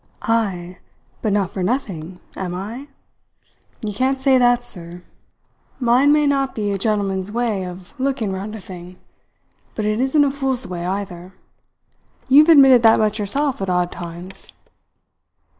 "Ay, but not for nothing, am I? You can't say that, sir. Mine may not be a gentleman's way of looking round a thing, but it isn't a fool's way, either. You've admitted that much yourself at odd times."